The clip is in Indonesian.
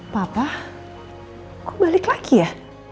papa kok balik lagi ya